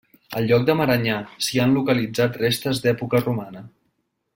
Al lloc de Maranyà, s'hi han localitzat restes d'època romana.